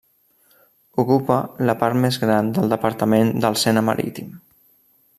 Ocupa la part més gran del departament del Sena Marítim.